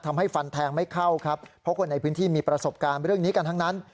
ทำให้ฟันแทงไม่เข้าครับเพราะคนในพื้นที่มีประสบการณ์เรื่องนี้กันทั้งนั้น